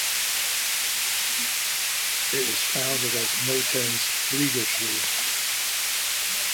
It was founded as "Mertens Fliegerschule".